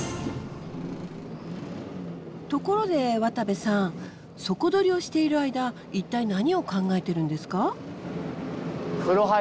ところで渡部さん底取りをしている間一体何を考えてるんですか？